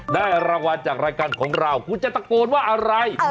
ได้รางวัลจากรายการของเราคุณจะตะโกนว่าอะไร